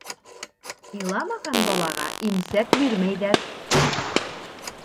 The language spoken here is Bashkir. Иламаған балаға имсәк бирмәйҙәр.